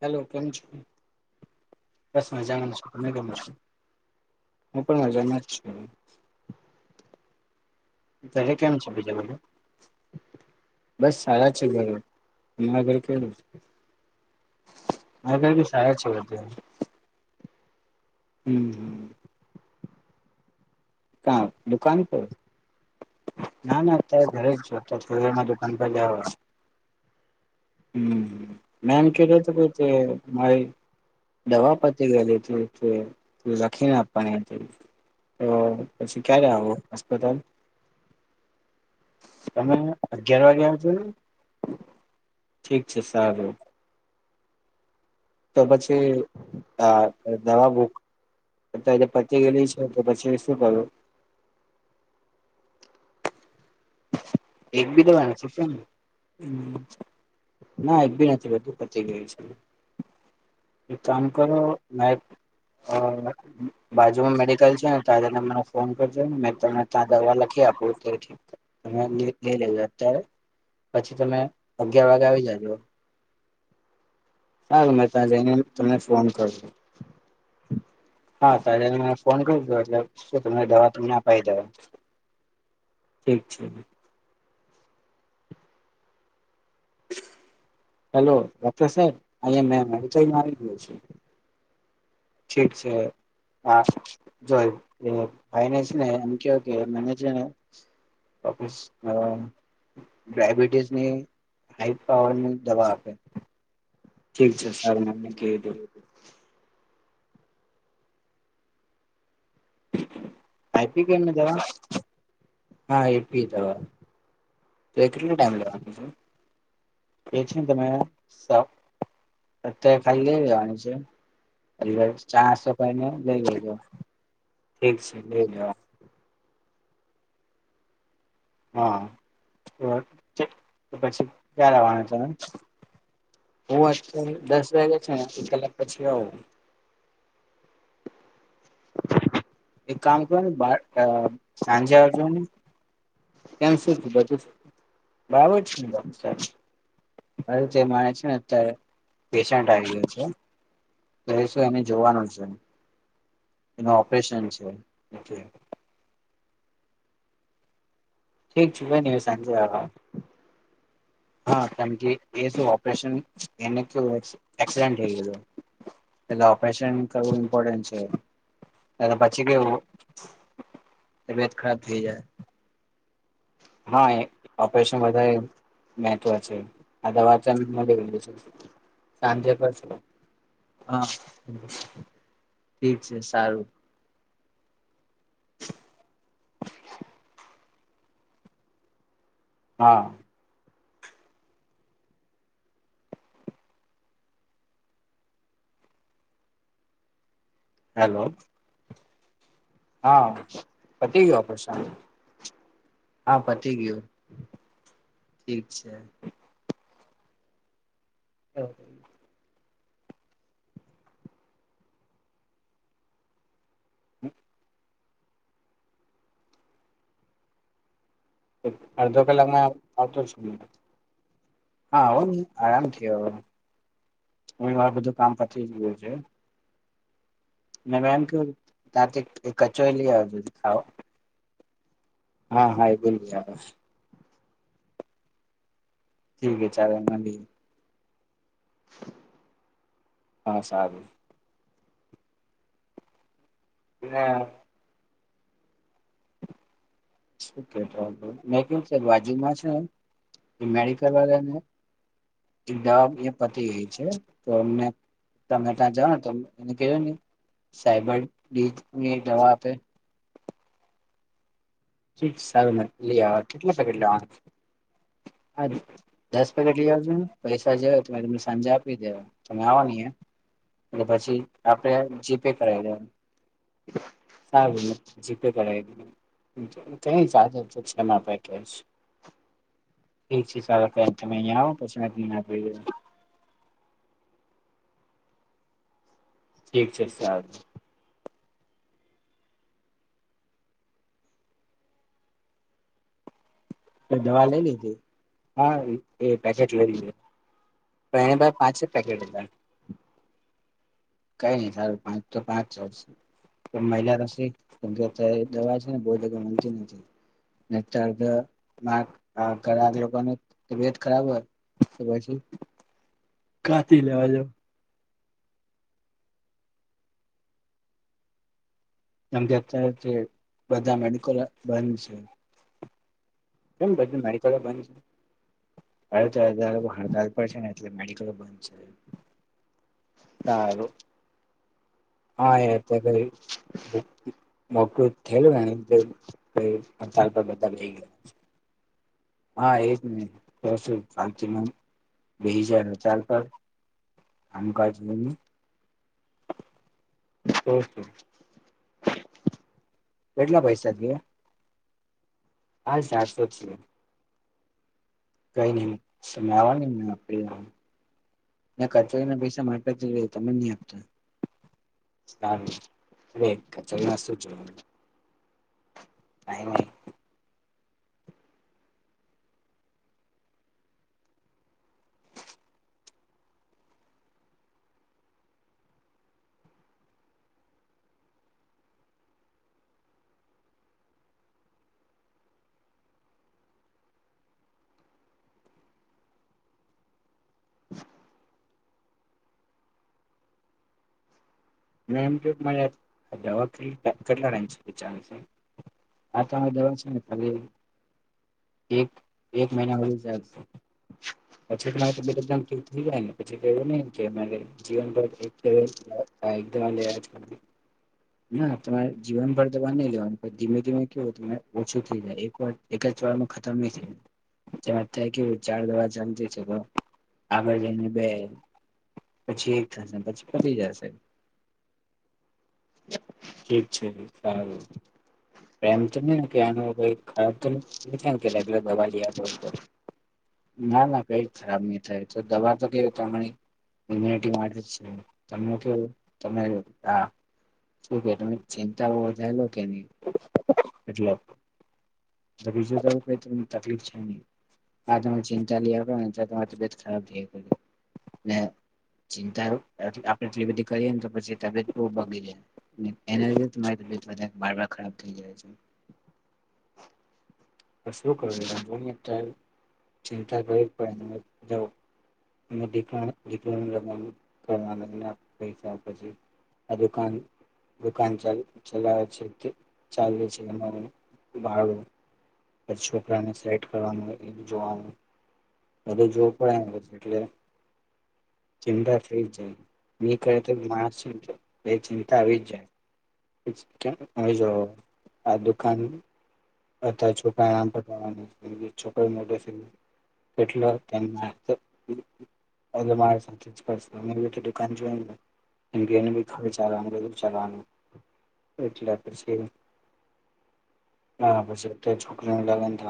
Hello! કેમ છો? મજામાં છો? હું પણ મજામાં જ છું. પલે કેમ છે બીજું બધું બસ સાયાદ ચ તમા ઘર કે અ ક તો શાય છેતી હમ કા દુકાન પર? ના ના્યારે ઘરેક છેમાં દુકાન પર જ હમ, મેમ કે ર તો કોઈ તે માઈ દવા પતી ગયલી છે લખીને આપવાની હતી. તો પછી ક્યારે આવો અસ્પતાલ? તમે અગિયાર વાગે આવજોને ઠીક છે સારું. તો પછી નવા બક બ પટે ગલી છે, તો પછી શું કરું એગ બી દેવાનું ચિફન હ હ, એકબી નથી બધું પચી ગયું છે. એક કામ કરો મે અ બાજુમાં મેડિકલ છે, ને તજા મને ફોન કરજોને મે તમે ત્યા દવા લખી આપુંત્યારે તમે લઈ લેજો અત્યારે પછી તમે અગિયાર વાગે આવી જજો ચાલો મેં ત્યાં જઈને તમને ફોન કરતો હા, તજ મને ફોન કરજો એટલે શું તને દવા તમને અપાઈ દવા ઠી છે. હેલો! ડોક્ટર સાહેબ અ મે મ ગ છું. ઠીક છે. હા જોય એ ફાઈનેસને એમ કે કે મેનેજરને ચસ ડાયબિટીસનીને હાઈ પાવરની દવા આપે. ઠીક છે [unintelligible] આપીતી એમને દવા? હા આપી દવા. [unintelligible] એ છે તમે સ અત્યારે ખાલી લઈ જેવાની છે. [unintelligible] એક સેકેન્ડ રયો. હા તો પછી ક્યારે આવવાના તમે? હ દસ વાગ્યા છેથી કક પછી આવ. એક કામ કરને બહાર સાંજે આવજોને. બરાબર છે. અરે તે માને છે ને અત્યારે પેશન્ટ આવી ગયો છે. તો એ શું એને જોવાનું છે. એનું ઓપરેશન છે એટલે ઠીક છે. કઇ નઈ સાંજે આવા. હા કેમકે એ શું ઓપરેશન એને શું એક્સિડન્ટ થઈ ગયેલો. એટલે ઓપરેશન કરવું ઇમ્પોર્ટન્ટ છે એલે પછી કેવું તબિયત ખરાબ થઈ જાય. ના ઓપરેશન વધારે આ દવાથી [unintelligible] આ ફેર પડશે. હા ઠીક છે સારું. હા. હેલો. હા પતી ગયું ઓપરેશન? હા પતી ગયું. ઠીક છે. હ. હ. એક અડધો કલાકમાં આવતો છું. હા આવોને. આરામથી આવો. એ વાર બધું કામ પછી ગયું છે. મેમ એમ કહું ત્યાંથી કચોરી લઈ આવ ખાવા. હા હા એ કરીએ છીએ. ઠીક એ ચાલે ના બી. હા સારું. હા. શું કેતો હતો? મેં કેવું છે બાજુમાં છે એ મેડિકલ વાળાને એક દવા એ પતી ગઈ છે તો અમને તમે ત્યાં જાવને તો એને કેહજો સાયબર ડી થ્રીની દવા આપે. સારું લે આ કેટલા પેકેટ લેવાના છે? આ દસ પેકેટ લઇ આવજો. પૈસા જે હોય ત તમને સાંજા આપી દે. પછી આપડે જીપે કરાવી લે. હારું જે કાંઈ કરે. કઈ ચજ છે છેમાં પેકેજ ઠીક છે ચાલો પહેલા તમે અહીંયા આવો પછી [unintelligible] ઠીક છે સારુ. તમે દવા લઈ લીધી? હા. [unintelligible] તો એને બાઈ પાછી ક દી કઈ નઈ સારું પાંચ તો પાંચ વર્ષ. મહિલા તો સી કેમ કે અત્યારે દવા છે ને બહ જગ્યા મનતી નથી. તાર ઘણા લોકોની તબિયત ખરાબ હોય. તો પછી કાથી લેવા જાવ અમ જતા છે બધા મેડિકલ બંધ છે. પણ બધી મેડિકલ બંધ છે. અરે તો હડતાલ પર છે ને એટલે મેડિકલ બંધ છે. સારું હા એ [unintelligible] [inaudible] હા એજ ને તો શું [unintelligible] હડતાલ પર આમ ક જોવી [inaudible] કેટલા પૈસા ગયા હાલ ચારસો છે. કઈ ની તમે [unintelligible] ના કચોરીના પૈસા માટે જ તમે નહી આપતા [inaudible] ટાઈમે [inaudible] હા તો દવા છે ને ખાલી એક એક મહિના હુ ચાલશે [inaudible] ચાલે ના તમારે જીવન પર દવા ની લેવાનું પણ ધીમે ધીમે કેવું તમે ઓછું થઈ જાય એક વાર એક જ વારમાં ખતમ ની વાત થાય કેવું ચાર દવા ચાલતી છે તો આગળ જઈને બે પછી એક થશે પછી પતી જશે. ઠીક છે સારું એમ તો [unintelligible] ના ના કઈ ખરાબ નઈ થાય તો દવા તો કેવી તમે ઇમ્યુનિટી માટે જ છે તમમે કેવું તમે હા શુકે તમે ચિંતાઓ‌ વધારે લો કે ની એટલ બીજું તો કઈ ત તકલીફ છે નહી આ તમે ચિંતા લેયા કરોને તબિયત ખરાબ થઈ ને ચિંતા આપડે એટલી બધી કરીએને તો પછી તબિયત બહુ બગી [inaudible] [unintelligible] ખરાબ થઈ જાય છે. તો શું કરું રાજ ચિંતા કરી પણ જવ [inaudible] આ દુકાન દુકાન ચ ચલાવે છે તે ચાલુ [unintelligible] ભારુ છોકરાને સેટ કરવાનું જોવાનું બધુ જોવુ પડે એટલે [inaudible] ચિંતા થઈ જાય [unintelligible] બે ચિંતા આવી જ જાય કેમ તમે જો આ દુકાન [unintelligible] છોકરા [unintelligible] એટલે કેમ એટલે [unintelligible] દુકાન જોઈને બી [unintelligible] બધું ચલાનું એટલે પછી [inaudible] હા પછપતો છું. મેં ઇલેવન્થ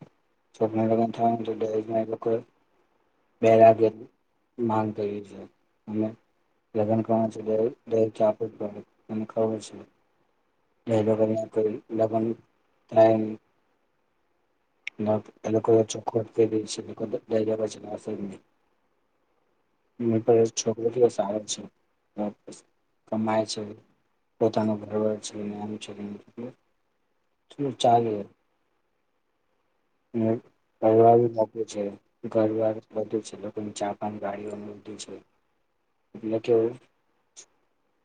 માં [unintelligible] ઇલેવનથમાં હોય ને તો [inaudible] કોઈ બે લાગે માંગ કરી છે અમે. લગ્ન કરવા છે [inaudible] તને ખબર શે. [inaudible] શું કરે ઈ? લગન થમ [inaudible] ના એ લોકો ચોખ્ખો [inaudible] પછી [inaudible] [inaudible] છોકરો સારો છે, કમાય છે. પોતાનો ઘરવારો છે [inaudible] ચાય બોલો. ને ઘરવારૂ બધું છે લોકો ચાપાની ગાડીઓનું છે. એટલે કેવું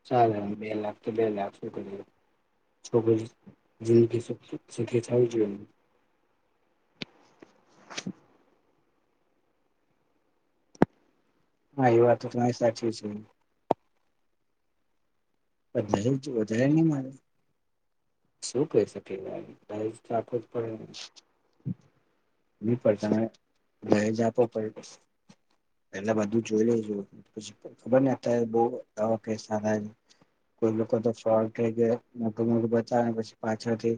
ચાલે એમ બે લાખ તો બે લાખ સુ કરવું. શોકલી જિંદગી સથી શખે છાવ જોવ. [inaudible] હા એ વાત તો સાચી છે. વધારે વધારે નહી મારે. શું કહી શકે સાથે જ પડે. એ પણ તમે દહેજ આપો પડે. પેલા બધું જોઈ લેવુ જું પછ ખબર ને અત્યારે બહ નવા કેસ થાતા હે. કોઈ લોકો તો ફોલ્ટ કે મોટું મોટું બ પછી પાછળથી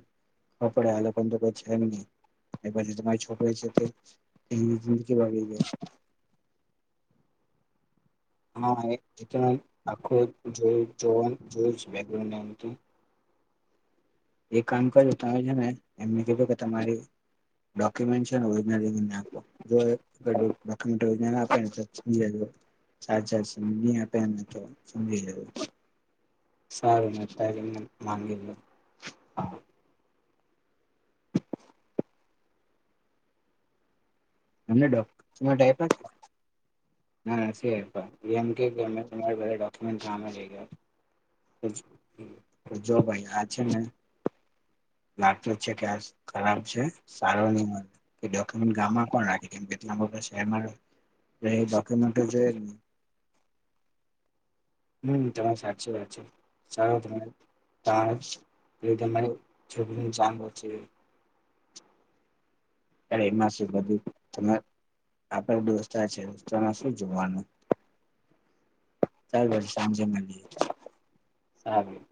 કપડે આ લોકોને તો કોઈ છે નહી. પછ તમારી છોકરી છે તે એન જિંદગી બગડી જાય. હા એ તો આખું જોયું જોવા જોયું બેકગ્રઉન્ડ ને અમ તો. એક કામ કરજો તમે છે ને એમને કીધું કે તમારી ડોક્યુમેન્ટ છેને ઓરિજિનલ એ મને આપો, જો [unintelligible] આપે ને તો [inaudible] સાચા સમજી આપેને તો સમજી લેવું. સારું મે તારી એમને માંગી દું હા. એમને ડોક તમે ટાઈપા કે? હા જેમ કે [inaudible] જો ભાઈ આ છે ને લાગતું જ છે કે આ ખરાબ છે સારો ની મળે ડોક્યુમેટ ગામમાં કોન આ કેમ કેટલામાં શેરમા છે ડોક્યુમેન્ટો જોયને હમ્મ તમાર સાચી વાત છે, સારું તો [inaudible] કેત મને [inaudible] ચાંગો છે. અરે એમાં શું બધું તમેં આપડ દોસ્તાર છે તેમાં શું જોવાનું. ચાલ પછી સાંજે મલીએ. સારું.